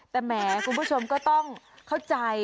แต่แหมคุณผู้ชมก็ต้องเข้าใจ